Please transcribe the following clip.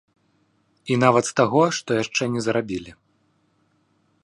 І нават з таго, што яшчэ не зарабілі.